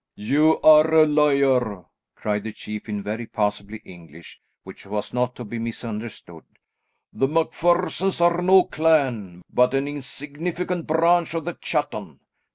"You are a liar!" cried the chief in very passable English which was not to be misunderstood. "The MacPhersons are no clan, but an insignificant branch of the Chattan.